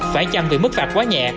phải chăm vì mức phạt quá nhẹ